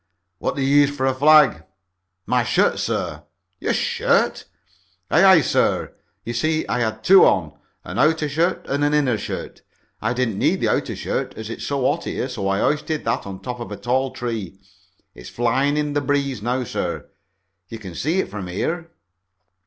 "What did you use for a flag?" "My shirt, sir." "Your shirt?" "Aye, aye, sir. You see I had two on, an outer shirt and an inner shirt. I didn't need the outer shirt as it's so hot here, so I hoisted that on top of a tall tree. It's flying in the breeze now, sir. You can see it from here."